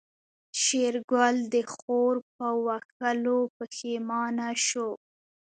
شېرګل د خور په وهلو پښېمانه شو.